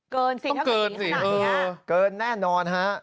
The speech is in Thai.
เกินสิถ้าเกินสิขนาดนี้ครับเกินแน่นอนฮะ